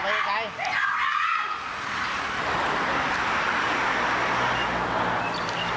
พี่ลุงลุง